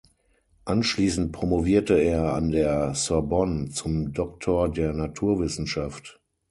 Anschließend promovierte er an der Sorbonne zum Doktor der Naturwissenschaft.